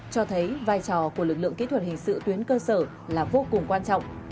cho thấy vai trò của lực lượng kỹ thuật hình sự tuyến cơ sở là vô cùng quan trọng